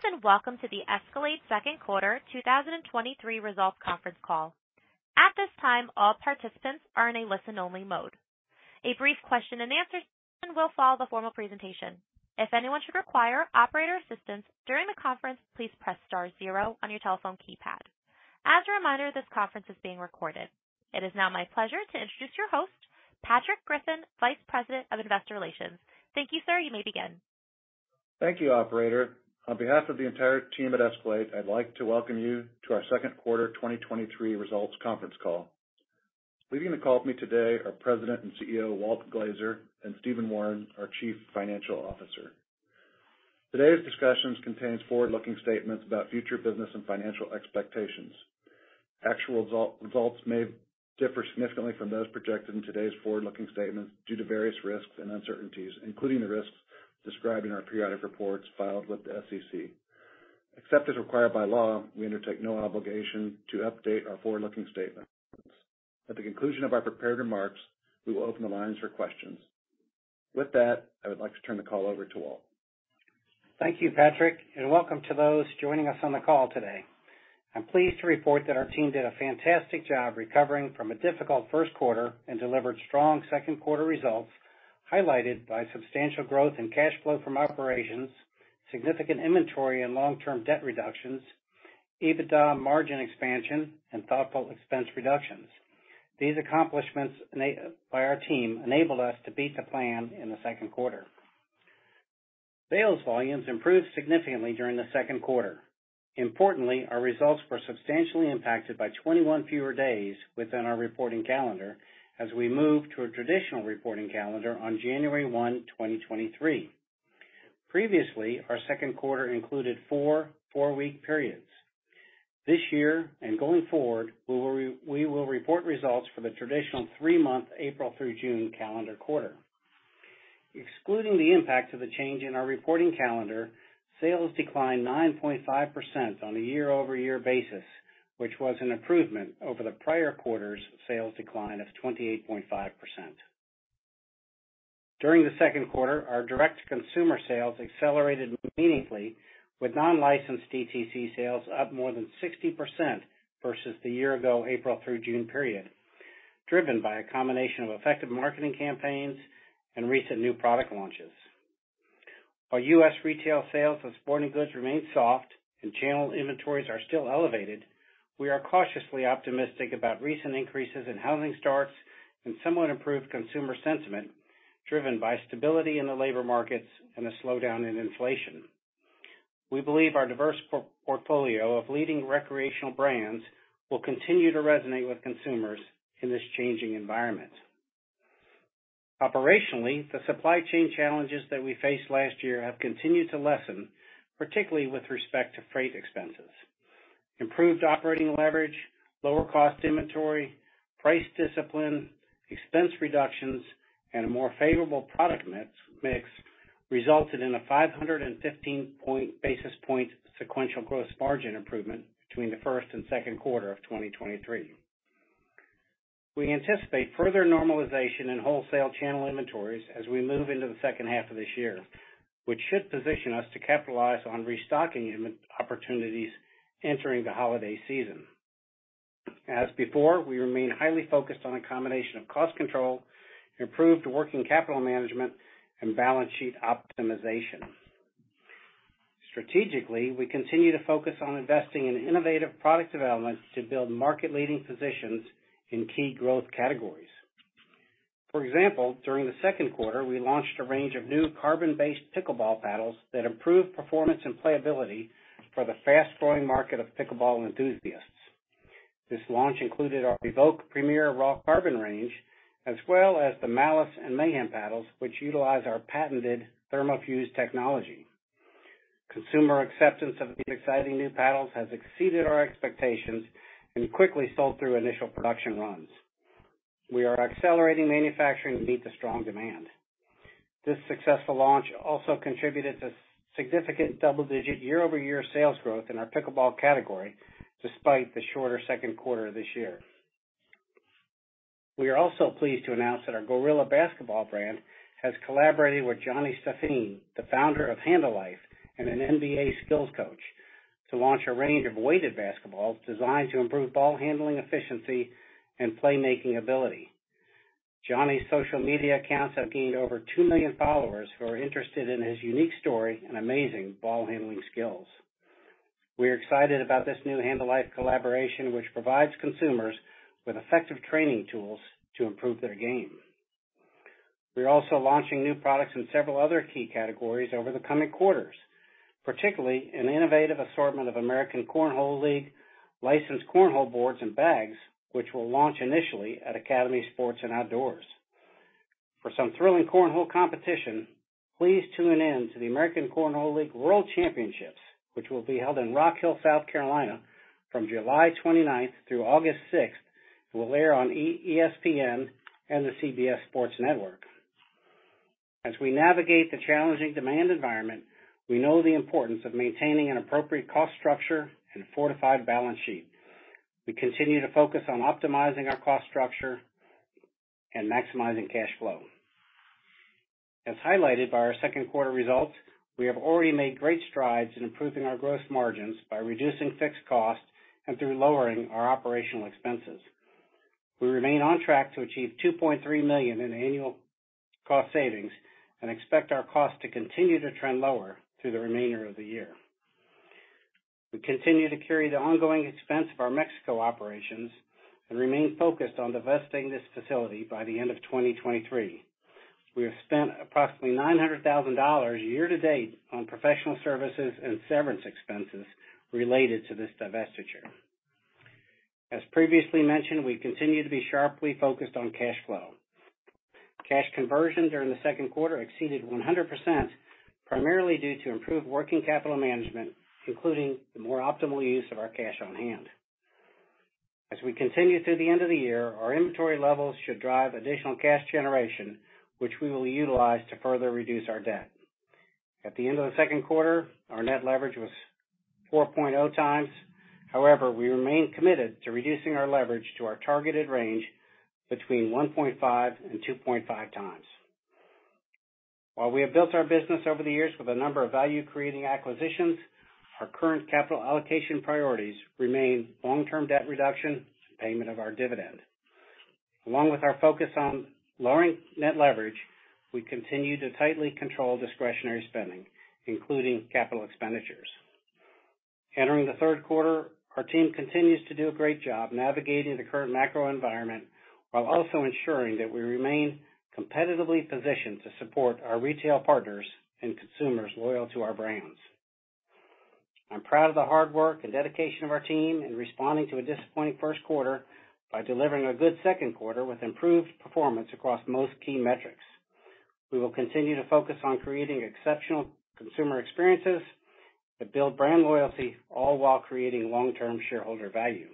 Greetings, and welcome to the Escalade second quarter 2023 results conference call. At this time, all participants are in a listen-only mode. A brief question and answer session will follow the formal presentation. If anyone should require operator assistance during the conference, please press star zero on your telephone keypad. As a reminder, this conference is being recorded. It is now my pleasure to introduce your host, Patrick Griffin, Vice President of Investor Relations. Thank you, sir. You may begin. Thank you, operator. On behalf of the entire team at Escalade, I'd like to welcome you to our second quarter 2023 results conference call. Leading the call with me today are President and CEO, Walt Glazer, and Stephen Wawrin, our Chief Financial Officer. Today's discussions contains forward-looking statements about future business and financial expectations. Actual results may differ significantly from those projected in today's forward-looking statements due to various risks and uncertainties, including the risks described in our periodic reports filed with the SEC. Except as required by law, we undertake no obligation to update our forward-looking statements. At the conclusion of our prepared remarks, we will open the lines for questions. With that, I would like to turn the call over to Walt. Thank you, Patrick. Welcome to those joining us on the call today. I'm pleased to report that our team did a fantastic job recovering from a difficult first quarter and delivered strong second quarter results, highlighted by substantial growth in cash flow from operations, significant inventory and long-term debt reductions, EBITDA margin expansion, and thoughtful expense reductions. These accomplishments by our team enabled us to beat the plan in the second quarter. Sales volumes improved significantly during the second quarter. Importantly, our results were substantially impacted by 21 fewer days within our reporting calendar as we moved to a traditional reporting calendar on January 1, 2023. Previously, our second quarter included four, four-week periods. This year, going forward, we will report results for the traditional three months, April through June calendar quarter. Excluding the impact of the change in our reporting calendar, sales declined 9.5% on a year-over-year basis, which was an improvement over the prior quarter's sales decline of 28.5%. During the second quarter, our direct-to-consumer sales accelerated meaningfully, with non-licensed DTC sales up more than 60% versus the year-ago April through June period, driven by a combination of effective marketing campaigns and recent new product launches. While U.S. retail sales of sporting goods remain soft and channel inventories are still elevated, we are cautiously optimistic about recent increases in housing starts and somewhat improved consumer sentiment, driven by stability in the labor markets and a slowdown in inflation. We believe our diverse portfolio of leading recreational brands will continue to resonate with consumers in this changing environment. Operationally, the supply chain challenges that we faced last year have continued to lessen, particularly with respect to freight expenses. Improved operating leverage, lower cost inventory, price discipline, expense reductions, and a more favorable product mix resulted in a 515 basis points sequential gross margin improvement between the first and second quarter of 2023. We anticipate further normalization in wholesale channel inventories as we move into the second half of this year, which should position us to capitalize on restocking opportunities entering the holiday season. As before, we remain highly focused on a combination of cost control, improved working capital management, and balance sheet optimization. Strategically, we continue to focus on investing in innovative product development to build market-leading positions in key growth categories. For example, during the second quarter, we launched a range of new carbon-based pickleball paddles that improve performance and playability for the fast-growing market of pickleball enthusiasts. This launch included our Evoke Premier Raw Carbon range, as well as the Malice and Mayhem paddles, which utilize our patented ThermoFused technology. Consumer acceptance of these exciting new paddles has exceeded our expectations and quickly sold through initial production runs. We are accelerating manufacturing to meet the strong demand. This successful launch also contributed to significant double-digit year-over-year sales growth in our pickleball category, despite the shorter second quarter this year. We are also pleased to announce that our Goalrilla Basketball brand has collaborated with Johnny Stephen, the founder of HandleLife and an NBA skills coach, to launch a range of weighted basketballs designed to improve ball handling efficiency and playmaking ability. Johnny's social media accounts have gained over 2 million followers who are interested in his unique story and amazing ball handling skills. We are excited about this new HandleLife collaboration, which provides consumers with effective training tools to improve their game. We are also launching new products in several other key categories over the coming quarters, particularly an innovative assortment of American Cornhole League licensed cornhole boards and bags, which will launch initially at Academy Sports + Outdoors. For some thrilling cornhole competition, please tune in to the American Cornhole League World Championships, which will be held in Rock Hill, South Carolina, from July 29th through August 6th, and will air on ESPN and the CBS Sports Network. As we navigate the challenging demand environment, we know the importance of maintaining an appropriate cost structure and fortified balance sheet. We continue to focus on optimizing our cost structure maximizing cash flow. As highlighted by our second quarter results, we have already made great strides in improving our gross margins by reducing fixed costs and through lowering our operational expenses. We remain on track to achieve $2.3 million in annual cost savings and expect our costs to continue to trend lower through the remainder of the year. We continue to carry the ongoing expense of our Mexico operations and remain focused on divesting this facility by the end of 2023. We have spent approximately $900,000 year to date on professional services and severance expenses related to this divestiture. As previously mentioned, we continue to be sharply focused on cash flow. Cash conversion during the second quarter exceeded 100%, primarily due to improved working capital management, including the more optimal use of our cash on hand. As we continue through the end of the year, our inventory levels should drive additional cash generation, which we will utilize to further reduce our debt. At the end of the second quarter, our net leverage was 4.0 times. However, we remain committed to reducing our leverage to our targeted range between 1.5 and 2.5 times. While we have built our business over the years with a number of value creating acquisitions, our current capital allocation priorities remain long-term debt reduction, payment of our dividend. Along with our focus on lowering net leverage, we continue to tightly control discretionary spending, including capital expenditures. Entering the third quarter, our team continues to do a great job navigating the current macro environment while also ensuring that we remain competitively positioned to support our retail partners and consumers loyal to our brands. I'm proud of the hard work and dedication of our team in responding to a disappointing first quarter by delivering a good second quarter with improved performance across most key metrics. We will continue to focus on creating exceptional consumer experiences that build brand loyalty, all while creating long-term shareholder value.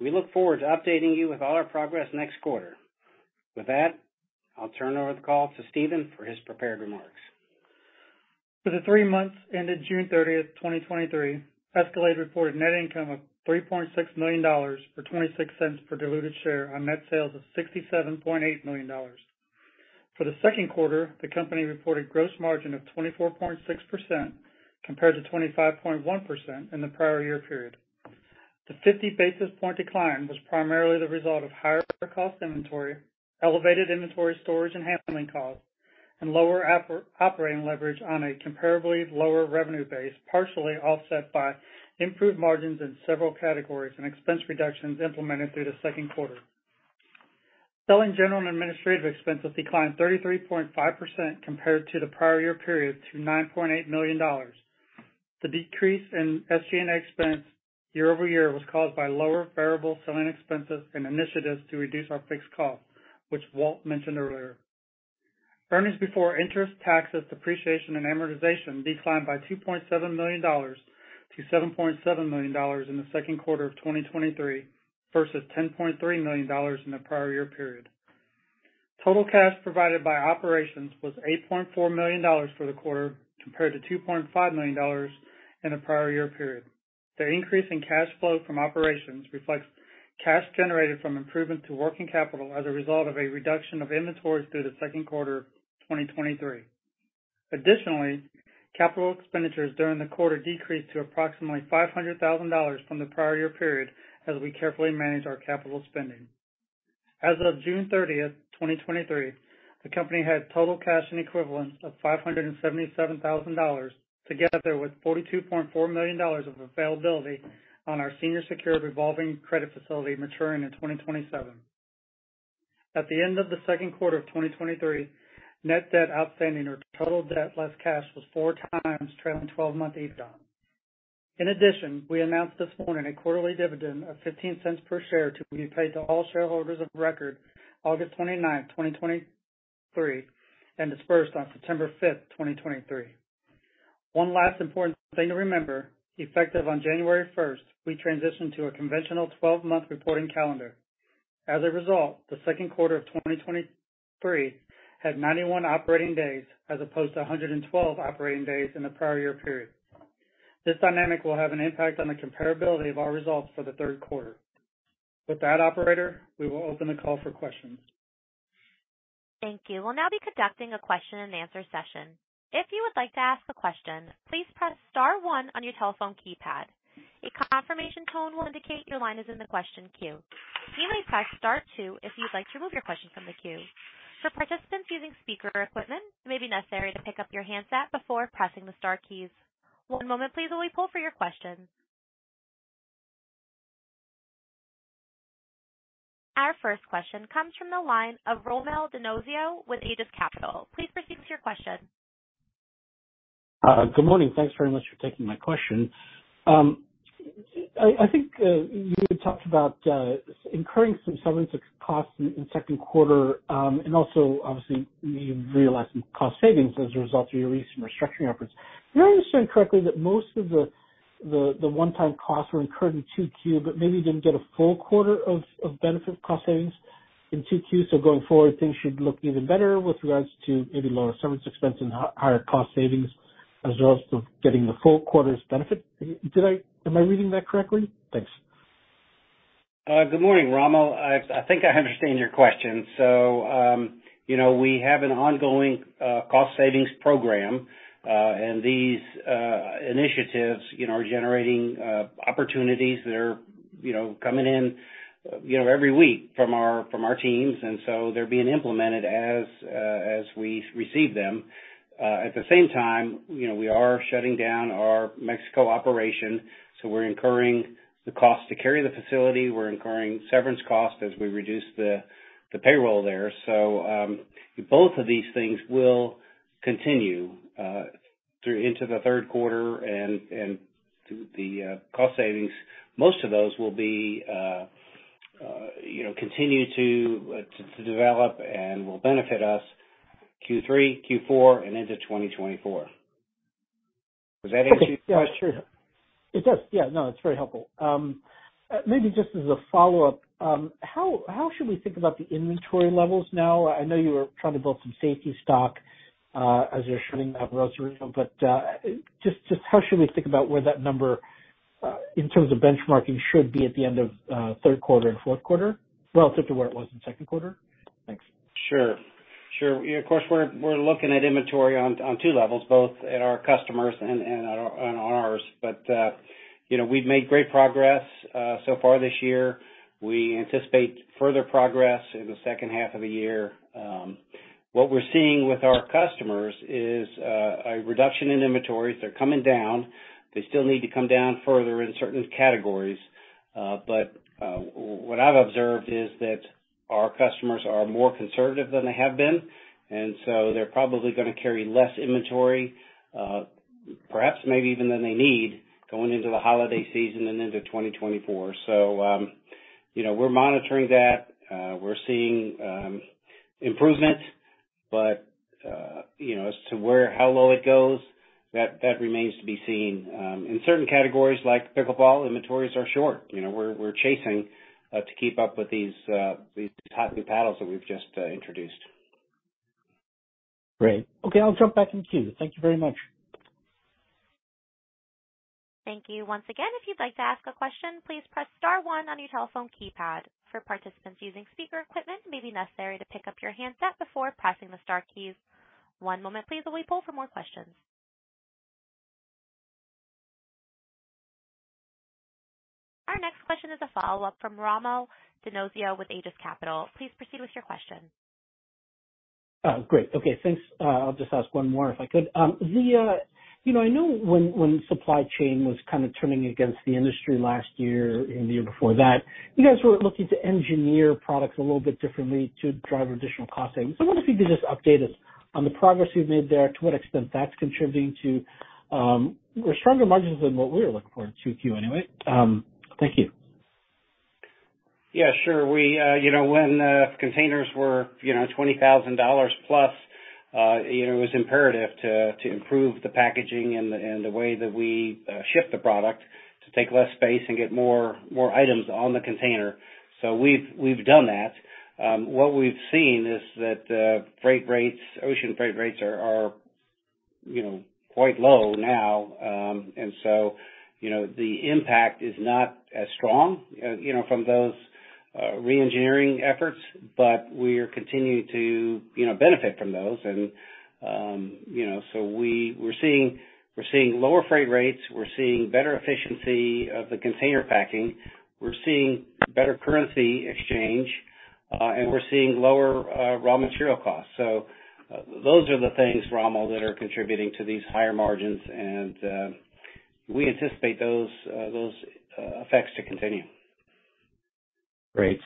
We look forward to updating you with all our progress next quarter. With that, I'll turn over the call to Stephen for his prepared remarks. For the three months ended June 30, 2023, Escalade reported net income of $3.6 million, or $0.26 per diluted share on net sales of $67.8 million. For the second quarter, the company reported gross margin of 24.6%, compared to 25.1% in the prior year period. The 50 basis points decline was primarily the result of higher cost inventory, elevated inventory storage and handling costs, and lower operating leverage on a comparably lower revenue base, partially offset by improved margins in several categories and expense reductions implemented through the second quarter. Selling, General, and Administrative expenses declined 33.5% compared to the prior year period to $9.8 million. The decrease in SG&A expense year-over-year was caused by lower variable selling expenses and initiatives to reduce our fixed costs, which Walt mentioned earlier. Earnings before interest, taxes, depreciation, and amortization declined by $2.7 million-$7.7 million in the second quarter of 2023, versus $10.3 million in the prior year period. Total cash provided by operations was $8.4 million for the quarter, compared to $2.5 million in the prior year period. The increase in cash flow from operations reflects cash generated from improvement to working capital as a result of a reduction of inventories through the second quarter of 2023. Additionally, capital expenditures during the quarter decreased to approximately $500,000 from the prior year period, as we carefully manage our capital spending. As of June 30th, 2023, the company had total cash and equivalents of $577,000, together with $42.4 million of availability on our senior secured revolving credit facility, maturing in 2027. At the end of the second quarter of 2023, net debt outstanding, or total debt less cash, was four times trailing twelve-month EBITDA. In addition, we announced this morning a quarterly dividend of $0.15 per share to be paid to all shareholders of record August 29th, 2023, and dispersed on September 5th, 2023. One last important thing to remember, effective on January 1st, we transitioned to a conventional 12-month reporting calendar. As a result, the second quarter of 2023 had 91 operating days, as opposed to 112 operating days in the prior year period. This dynamic will have an impact on the comparability of our results for the third quarter. With that operator, we will open the call for questions. Thank you. We'll now be conducting a question and answer session. If you would like to ask a question, please press star one on your telephone keypad. A confirmation tone will indicate your line is in the question queue. You may press star two if you'd like to remove your question from the queue. For participants using speaker equipment, it may be necessary to pick up your handset before pressing the star keys. One moment, please, while we pull for your question. Our first question comes from the line of Rommel Dionisio with Aegis Capital. Please proceed with your question. Good morning. Thanks very much for taking my question. I think you had talked about incurring some severance costs in second quarter, and also obviously you realized some cost savings as a result of your recent restructuring efforts. Did I understand correctly that most of the one-time costs were incurred in 2Q, but maybe didn't get a full quarter of benefit cost savings in 2Q? Going forward, things should look even better with regards to maybe lower severance expense and higher cost savings? as a result of getting the full quarter's benefit. Am I reading that correctly? Thanks. Good morning, Rommel. I think I understand your question. You know, we have an ongoing cost savings program, and these initiatives, you know, are generating opportunities that are, you know, coming in, you know, every week from our teams, and so they're being implemented as we receive them. At the same time, you know, we are shutting down our Mexico operation. We're incurring the cost to carry the facility. We're incurring severance costs as we reduce the payroll there. Both of these things will continue through into the third quarter and the cost savings, most of those will be, you know, continue to develop and will benefit us Q3, Q4, and into 2024. Does that answer your question? It does. Yeah. No, it's very helpful. Maybe just as a follow-up, how should we think about the inventory levels now? I know you were trying to build some safety stock, as you're shutting down Rosarito, just how should we think about where that number, in terms of benchmarking, should be at the end of third quarter and fourth quarter relative to where it was in second quarter? Thanks. Sure. Sure. Of course, we're, we're looking at inventory on, on two levels, both at our customers and, and on ours. You know, we've made great progress so far this year. We anticipate further progress in the second half of the year. What we're seeing with our customers is a reduction in inventories. They're coming down. They still need to come down further in certain categories. What I've observed is that our customers are more conservative than they have been, and so they're probably gonna carry less inventory, perhaps maybe even than they need, going into the holiday season and into 2024. You know, we're monitoring that. We're seeing improvement, but, you know, as to where how low it goes, that remains to be seen. In certain categories, like pickleball, inventories are short. You know, we're chasing to keep up with these hot new paddles that we've just introduced. Great. Okay, I'll jump back in the queue. Thank you very much. Thank you. Once again, if you'd like to ask a question, please press star one on your telephone keypad. For participants using speaker equipment, it may be necessary to pick up your handset before pressing the star key. One moment please, while we poll for more questions. Our next question is a follow-up from Rommel Dionisio with Aegis Capital. Please proceed with your question. Oh, great. Okay, thanks. I'll just ask one more, if I could. The, you know, I know when, when supply chain was kind of turning against the industry last year and the year before that, you guys were looking to engineer products a little bit differently to drive additional cost savings. I wonder if you could just update us on the progress you've made there, to what extent that's contributing to, your stronger margins than what we were looking for in Q2, anyway. Thank you. Yeah, sure. We, you know, when containers were, you know, $20,000+, you know, it was imperative to improve the packaging and the way that we ship the product to take less space and get more items on the container. We've done that. What we've seen is that freight rates, ocean freight rates are, you know, quite low now. The impact is not as strong, you know, from those re-engineering efforts, but we are continuing to, you know, benefit from those. You know, we're seeing lower freight rates, we're seeing better efficiency of the container packing, we're seeing better currency exchange, and we're seeing lower raw material costs. Those are the things, Rommel, that are contributing to these higher margins, and we anticipate those effects to continue. Great.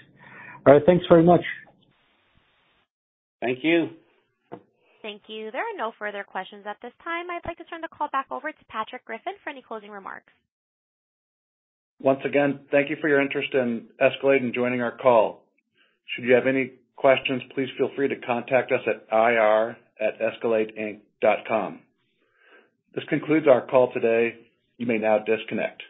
All right, thanks very much. Thank you. Thank you. There are no further questions at this time. I'd like to turn the call back over to Patrick Griffin for any closing remarks. Once again, thank you for your interest in Escalade and joining our call. Should you have any questions, please feel free to contact us at ir@escaladeinc.com. This concludes our call today. You may now disconnect.